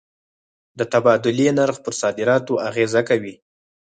د تبادلې نرخ پر صادراتو اغېزه کوي.